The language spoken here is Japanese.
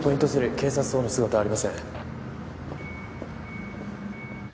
３警察等の姿はありません。